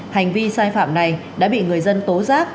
hành vi sai phạm này đã bị người dân tố giác